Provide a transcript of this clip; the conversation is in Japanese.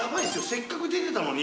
せっかく出てたのに。